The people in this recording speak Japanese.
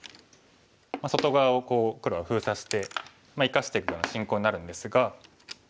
外側を黒が封鎖して生かしていくような進行になるんですが。